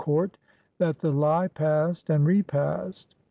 . court that the lie passed and repassed.